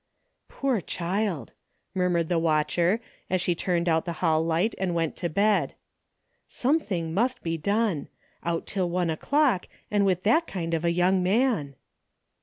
" Poor child !" murmured the watcher, as she turned out the hall light and went to bed, " something must be done ! Out till one o'clock and with that kind of a young man